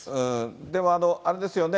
でも、あれですよね。